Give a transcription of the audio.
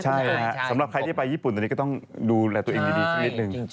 ใช่นะครับสำหรับใครที่ไปญี่ปุ่นตอนนี้ก็ต้องดูแลตัวเองดีสักนิดนึง